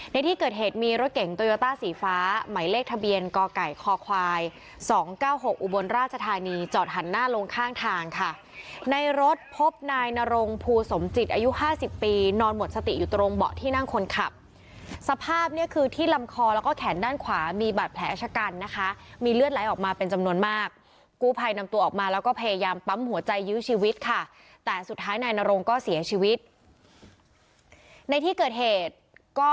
ในที่เกิดเหตุมีรถเก๋งโตโยต้าสีฟ้าไหมเลขทะเบียนกไก่คควาย๒๙๖อุบลราชทานีจอดหันหน้าลงข้างทางค่ะในรถพบนายนรงภูสมจิตอายุ๕๐ปีนอนหมดสติอยู่ตรงเบาะที่นั่งคนขับสภาพเนี่ยคือที่ลำคอแล้วก็แขนด้านขวามีบาดแผลชะกันนะคะมีเลือดไหลออกมาเป็นจำนวนมากกู้ภัยนำตัวออกมาแล้วก็